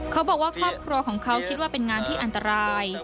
เขาบอกว่าครอบครัวของเขาคิดว่าเป็นงานที่อันตราย